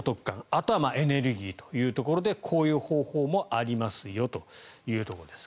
あとはエネルギーというところでこういう方法もありますよというところです。